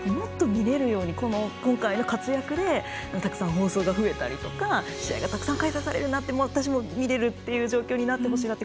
もっと見られるように今回の活躍でたくさん放送が増えたりとか試合がたくさん開催されたりとか私も見れるって状況になってほしいなって。